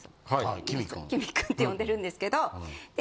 きみ君って呼んでるんですけど。